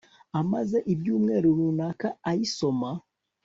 Amaze ibyumweru runaka ayisoma